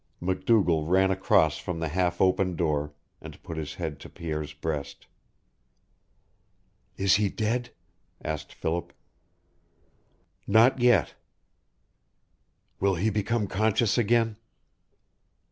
MacDougall ran across from the half open door, and put his head to Pierre's breast. "Is he dead?" asked Philip. "Not yet." "Will he become conscious again?"